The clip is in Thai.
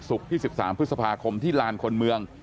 ที่๑๓พฤษภาคมที่ลานคนเมือง